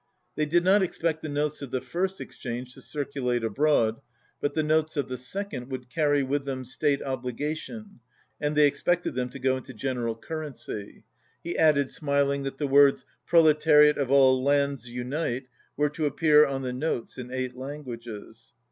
They did not expect the notes of the first exchange to circulate abroad, but the notes of the second would carry with them state obligation and they expected them to go into general currency. He added, smiling, that the words "Proletariat of all lands, unite," were to appear on the notes in eight languages.